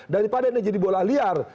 daripada ini jadi bola liar